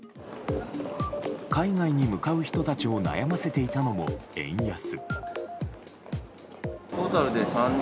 海外に向かう人たちを悩ませていたのも円安。